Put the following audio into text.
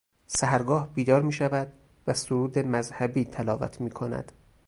سحرگاه بیدار میشود و سرود مذهبی تلاوت میکند.